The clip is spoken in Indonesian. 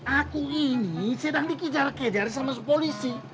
aku ini sedang dikijar kijarin sama polisi